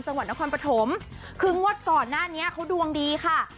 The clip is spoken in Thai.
จังหวัดนครปฐมคืองวดก่อนหน้านี้เขาดวงดีค่ะ